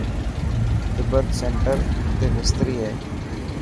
تبت سينٽر تي مستري هي.